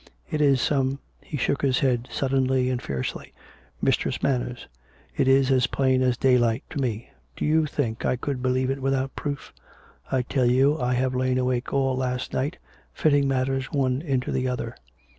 It is some " He shook his head suddenly and fiercely. " Mistress Manners, it is as plain as daylight to me. Do you think I could believe it without proof? I tell you I have lain awake all last night, fitting matters one into the other.